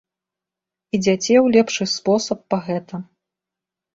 Ідзяце ў лепшы спосаб па гэта.